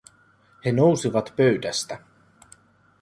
He nousivat pöydästä.